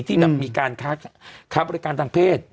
ที่มีค้าบริการทางเพศ